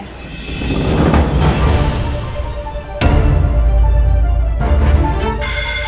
es ada kompurposegger